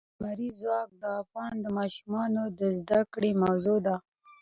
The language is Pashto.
لمریز ځواک د افغان ماشومانو د زده کړې موضوع ده.